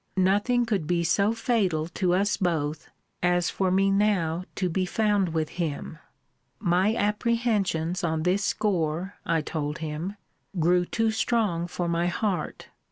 Nothing could be so fatal to us both, as for me now to be found with him. My apprehensions on this score, I told him, grew too strong for my heart.